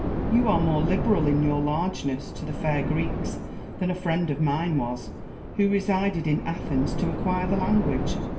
You are more liberal in your largesses to the fair Greeks than a friend of mine was, who resided in Athens to acquire the language.